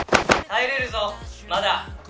耐えれるぞ、まだ。